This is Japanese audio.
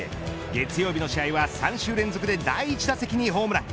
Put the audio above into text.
月曜日の試合は３週連続で第１打席にホームラン。